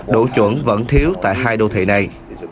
đủ chuẩn vẫn thiếu tại hai đô thị này